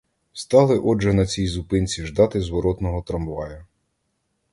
Стали, отже, на цій зупинці ждати зворотного трамвая.